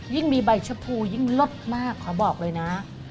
มีใบชะพูยิ่งลดมากขอบอกเลยนะ